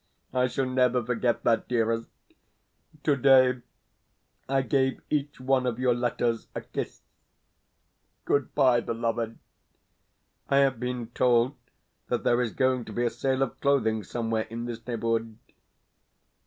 I shall never forget that, dearest. Today I gave each one of your letters a kiss.... Goodbye, beloved. I have been told that there is going to be a sale of clothing somewhere in this neighbourhood.